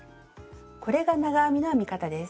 これが長編みの編み方です。